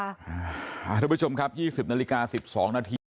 คุณผู้ชมครับ๒๐นาฬิกา๑๒นาที